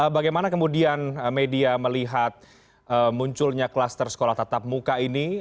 bagaimana kemudian media melihat munculnya kluster sekolah tatap muka ini